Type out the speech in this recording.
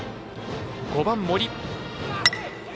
５番、森。